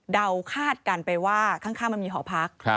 คาดกันไปว่าข้างมันมีหอพัก